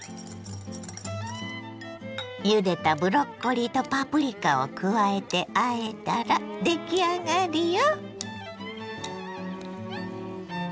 ゆでたブロッコリーとパプリカを加えてあえたら出来上がりよ。